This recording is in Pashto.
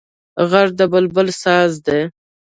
غږ د بلبل ساز دی